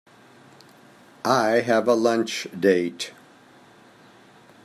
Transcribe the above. I have a lunch date.